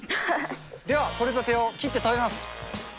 では、採れたてを切って食べます。